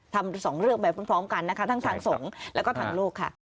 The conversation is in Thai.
ทำสองเรื่องไปพร้อมกันนะคะทั้งทางสงฆ์แล้วก็ทางโลกค่ะ